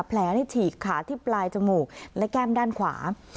แผลในฉีกขาที่ปลายจมูกและแก้มด้านขวา